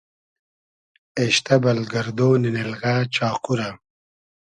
اېشتۂ بئل گئردۉنی نیلغۂ چاقو رۂ